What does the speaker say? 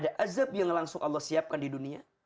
ada azab yang langsung allah siapkan di dunia